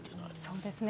そうですね。